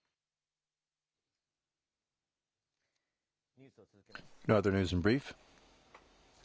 ニュースを続けます。